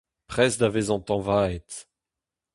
Prest da vezañ tañvaet.